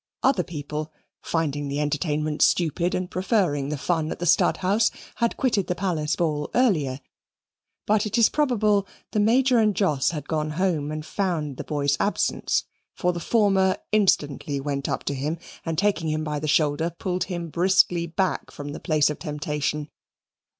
Other people, finding the entertainment stupid and preferring the fun at the Stadthaus, had quitted the Palace ball earlier; but it is probable the Major and Jos had gone home and found the boy's absence, for the former instantly went up to him and, taking him by the shoulder, pulled him briskly back from the place of temptation.